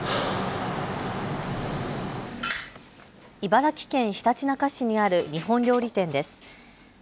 茨城県ひたちなか市にある日本料理店です。